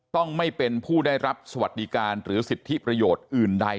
ต้องไม่เป็นผู้ได้รับสวัสดิการหรือสิทธิประโยชน์อื่นใด